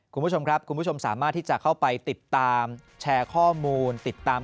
คุณผู้ชมครับคุณผู้ชมสามารถที่จะเข้าไปติดตามแชร์ข้อมูลติดตาม